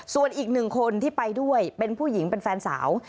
ส่วนอีกหนึ่งคนที่ไปด้วยเป็นผู้หญิงเป็นแฟนสาว